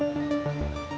kedua saya dimarahin